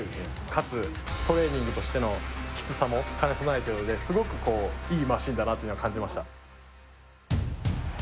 かつ、トレーニングとしてのきつさも兼ね備えているのですごく、いいマシーンだなというのは感じました。